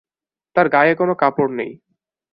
তার গায়ে কোনো কাপড় নেই।